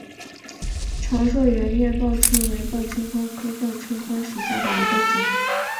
长蒴圆叶报春为报春花科报春花属下的一个种。